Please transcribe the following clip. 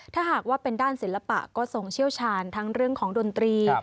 ถ้าหากว่าเป็นด้านศิลปะก็ทรงเชี่ยวชาญทั้งเรื่องของดนตรี